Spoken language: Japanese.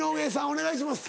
お願いします。